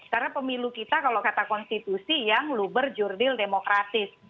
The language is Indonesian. karena pemilu kita kalau kata konstitusi yang luber jurdil demokratis